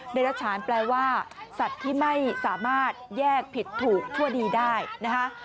โดยรัฐฉานแปลว่าสัตว์ที่ไม่สามารถแยกผิดถูกชั่วดีได้นะคะ